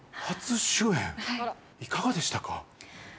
初主演、いかがでしたか？